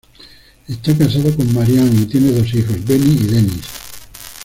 Está casado con Marianne y tiene dos hijos, Benny y Dennis.